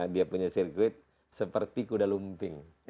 dia punya sirkuit seperti kuda lumping